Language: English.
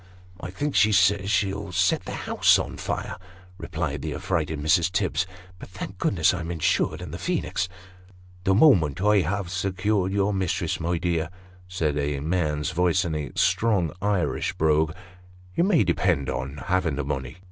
" I think she says she'll set the house on fire," replied the affrighted Mrs. Tibbs. " But thank God I'm insured in the Phoenix !"" The moment I have secured your mistress, my dear," said a man's voice in a strong Irish brogue, "you may depend on having the money."